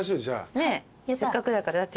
ねえせっかくだから。